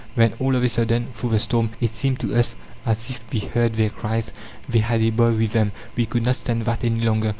Then, all of a sudden, through the storm, it seemed to us as if we heard their cries they had a boy with them. We could not stand that any longer.